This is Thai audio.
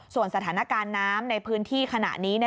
ส่วนสถานการณ์น้ำในพื้นที่ขณะนี้